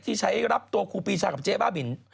ที่ใช้รับตัวครูปีชากับเจ๊บ้าบิน